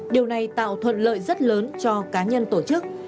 điều này tạo thuận lợi rất lớn cho cá nhân tổ chức